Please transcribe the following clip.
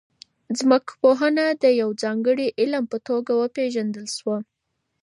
ځمکپوهنه د یو ځانګړي علم په توګه وپیژندل سوه.